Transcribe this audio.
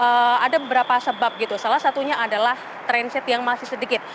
jadi kalau ada beberapa sebab gitu salah satunya adalah transit yang masih sedikit